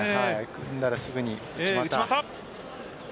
組んだらすぐに内股。